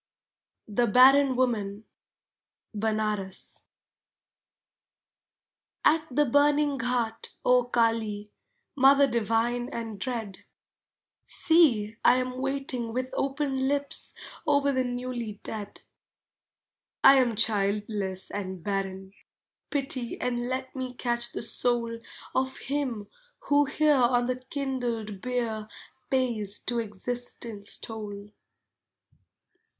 THE BARREN WOMAN (Benares) At the burning ghat, O Kali, Mother divine and dread, See, I am waiting with open lips Over the newly dead. I am childless and barren; pity And let me catch the soul Of him who here on the kindled bier Pays to Existence toll.